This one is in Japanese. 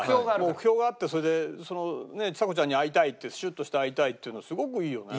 目標があってそれでそのねちさ子ちゃんに会いたいってシュッとして会いたいっていうのすごくいいよね。